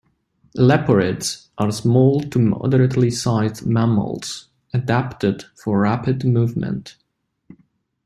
Leporids are small to moderately sized mammals, adapted for rapid movement.